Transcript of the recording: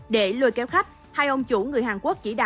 để lùi kéo khách hai ông chủ người hàn quốc chỉ đạo